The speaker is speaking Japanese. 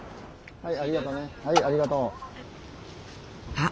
はい。